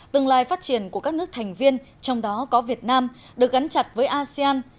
tương lai phát triển của các nước thành viên trong đó có việt nam được gắn chặt với asean